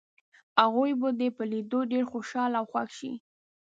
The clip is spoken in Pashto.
هغوی به دې په لیدو ډېر خوشحاله او خوښ شي.